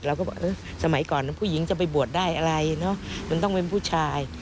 เราก็บอกเออสมัยก่อนผู้หญิงจะไปบวชได้อะไรเนอะมันต้องเป็นผู้ชาย